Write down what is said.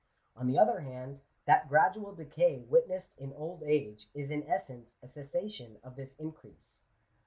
On the other hand, that gradual decay witnessed in old age, is in essence a cessation of this increase.